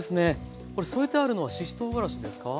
これ添えてあるのはししとうがらしですか？